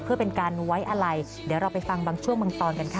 เพื่อเป็นการไว้อะไรเดี๋ยวเราไปฟังบางช่วงบางตอนกันค่ะ